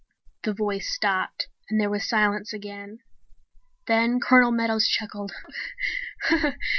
_" The voice stopped and there was silence again. Then Colonel Meadows chuckled.